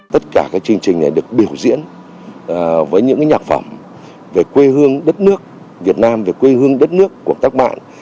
tất cả các chương trình này được biểu diễn với những nhạc phẩm về quê hương đất nước việt nam về quê hương đất nước của các bạn